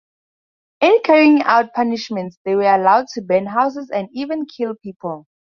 In carrying out punishments, they were allowed to burn houses and even kill people.